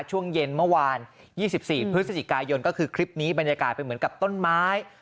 ช่วงเย็นเมื่อวาน๒๔พฤศจิกายนก็คือคลิปนี้บรรยากาศเป็นเหมือนกับต้นไม้